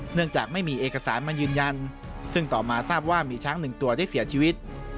เนื่องจากไม่มีเอกสารมายืนยันซึ่งต่อมาทราบว่ามีช้างหนึ่งตัวได้เสียชีวิต